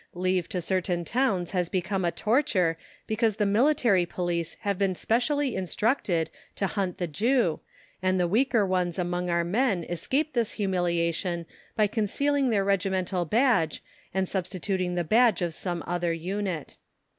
Leave to certain towns has become a torture because the Military Police have been specially instructed to hunt the Jew, and the weaker ones among our men escape this humiliation by concealing their regimental badge, and substituting the badge of some other unit.